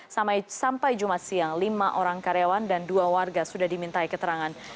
sampai jumat siang lima orang karyawan dan dua warga sudah dimintai keterangan